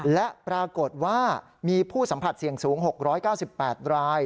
และปรากฏว่ามีผู้สัมผัสเสี่ยงสูง๖๙๘ราย